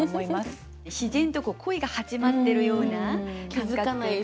自然と恋が始まってるような感覚というか。